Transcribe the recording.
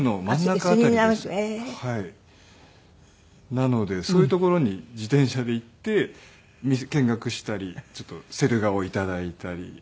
なのでそういう所に自転車で行って見学したりセル画を頂いたり。